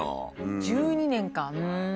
１２年か。